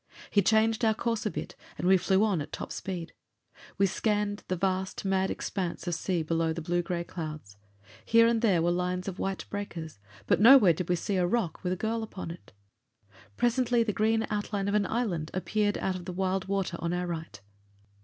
He changed our course a bit and we flew on at top speed. We scanned the vast, mad expanse of sea below the blue gray clouds. Here and there were lines of white breakers, but nowhere did we see a rock with a girl upon it. Presently the green outline of an island appeared out of the wild water on our right.